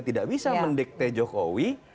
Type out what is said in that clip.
tidak bisa mendikte jokowi